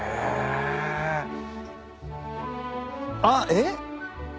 あっえっ？